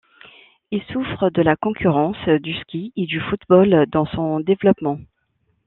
Il souffre de la concurrence du ski et du football dans son développement.